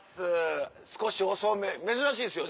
少し遅め珍しいですよね。